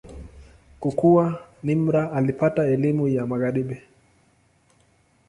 Kukua, Nimr alipata elimu ya Magharibi.